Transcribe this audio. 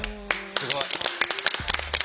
すごい。